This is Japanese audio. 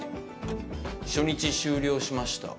「初日終了しました！